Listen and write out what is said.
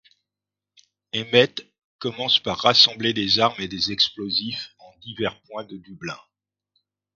Emmet commence par rassembler des armes et des explosifs en divers points de Dublin.